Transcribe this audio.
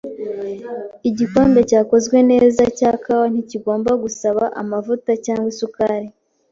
Igikombe cyakozwe neza cya kawa ntigomba gusaba amavuta cyangwa isukari.